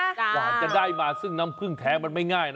กว่าจะได้มาซึ่งน้ำผึ้งแท้มันไม่ง่ายนะ